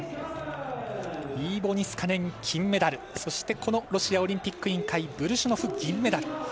イーボ・ニスカネン、金メダルそしてロシアオリンピック委員会ブルシュノフ、銀メダル。